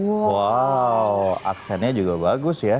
wow aksennya juga bagus ya